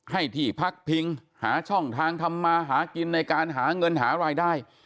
ให้ที่พักพิงหาช่องทางทำมาหากินในการหาเงินหารายได้